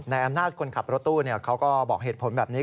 ในอำนาจคนขับรถตู้เขาก็บอกเหตุผลแบบนี้